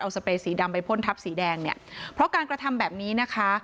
สเปรย์สีดำไปพ่นทับสีแดงเนี่ยเพราะการกระทำแบบนี้นะคะ